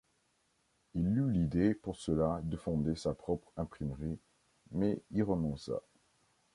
Il eut l'idée pour cela de fonder sa propre imprimerie, mais y renonça.